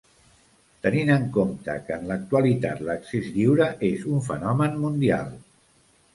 Tenint en compte que en l'actualitat l'accés lliure és un fenomen mundial.